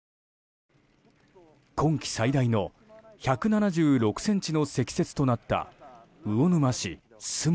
今季最大の、１７６ｃｍの積雪となった魚沼市守門。